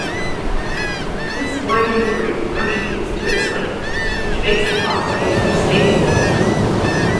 This winding route contributes to its length, which makes the parkway the state's longest.